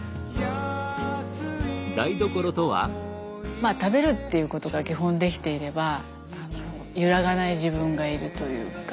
まあ食べるっていうことが基本できていれば揺らがない自分がいるというか。